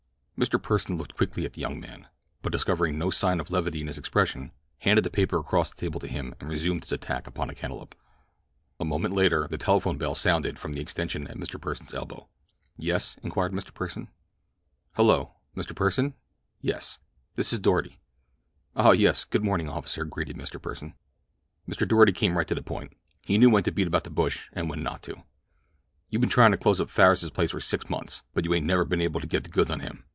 Mr. Pursen looked quickly at the young man, but discovering no sign of levity in his expression, handed the paper across the table to him and resumed his attack upon the cantaloupe. A moment later the telephone bell sounded from the extension at Mr. Pursen's elbow. "Yes?" inquired Mr. Pursen. "Hello. Mr. Pursen?" "Yes." "This is Doarty." "Oh, yes; good morning, officer," greeted Mr. Pursen. Mr. Doarty came right to the point. He knew when to beat about the bush and when not to. "You been tryin' to close up Farris's place for six months; but you ain't never been able to get the goods on him.